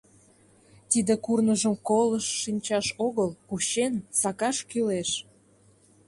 Тиде курныжым колышт шинчаш огыл, кучен, сакаш кӱлеш!